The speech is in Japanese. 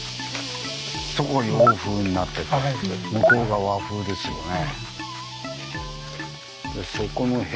そこが洋風になってて向こうが和風ですよね。